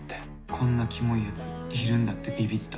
こんなキモいやついるんだってビビった。